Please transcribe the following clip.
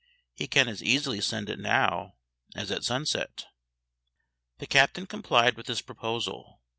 He can as easily send it now as at sunset." The captain complied with this proposal.